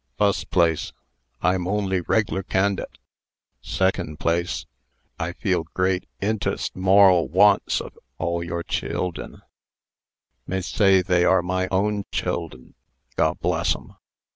Fuss place, I'm only reg'l can'date. Secun' place, I feel great int'st mor'l wants of all your chi i ld'n, Masay they are my own child'n, Go'bless'em.